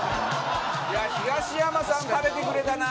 いやあ東山さん食べてくれたなあ。